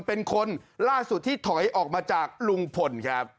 เป็นคนล่าสุดที่ถอยออกมาจากลุงพลครับ